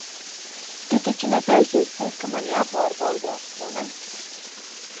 Tu taču netaisies teikt, ka man jāpārbaudās, vai ne?